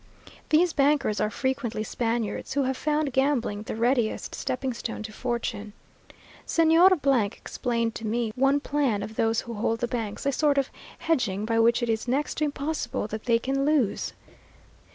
These bankers are frequently Spaniards, who have found gambling the readiest stepping stone to fortune. Señor explained to me one plan of those who hold the banks, a sort of hedging, by which it is next to impossible that they can lose.